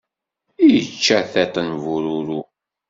Ičča tiṭ n bururu.